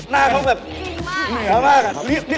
มันต้องมีเท่าชัดเก็บเงิน